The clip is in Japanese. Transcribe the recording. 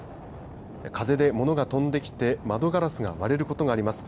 風で物が飛んできて窓ガラスが割れることがあります。